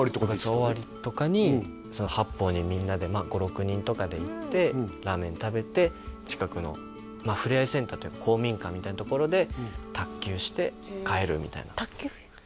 部活終わりとかに八方にみんなでまあ５６人とかで行ってラーメン食べて近くのふれあいセンターというか公民館みたいなところで卓球して帰るみたいな卓球？